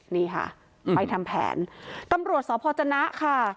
นี่ค่ะไปทำแผนตำรวจสพจนะค่ะ